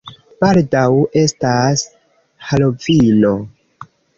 Baldaŭ estas Halovino.